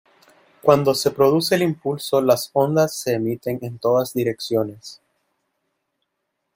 Cuando se produce el impulso, las ondas se emiten en todas direcciones.